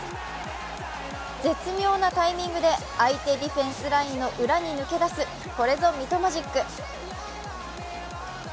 絶妙なタイミングで相手ディフェンスラインの裏に抜け出すこれぞミトマジック。